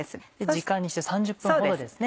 時間にして３０分ほどですね。